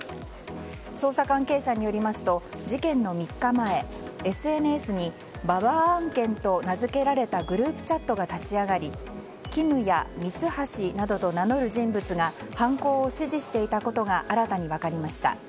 捜査関係者によりますと事件の３日前ＳＮＳにババア案件と名付けられたグループチャットが立ち上がりキムやミツハシなどと名乗る人物が犯行を指示していたことが新たに分かりました。